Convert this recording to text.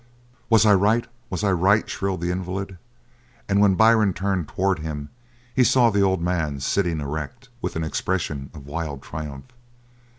"Was I right? Was I right?" shrilled the invalid, and when Byrne turned towards him, he saw the old man sitting erect, with an expression of wild triumph.